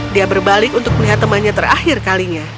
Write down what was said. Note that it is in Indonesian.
dia berbalik untuk melihat temannya terakhir kalinya